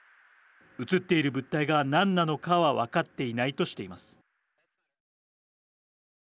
映っている物体が何なのかはわかっていないとしています。